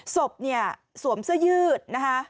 ศพเนี่ยสวมเสื้อยืดนะคะ